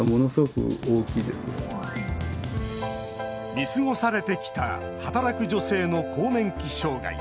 見過ごされてきた働く女性の更年期障害。